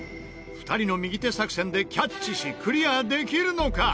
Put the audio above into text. ２人の右手作戦でキャッチしクリアできるのか？